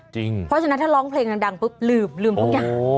จริงเพราะฉะนั้นถ้าร้องเพลงดังปุ๊บลืมลืมพวกอย่างโอ้โห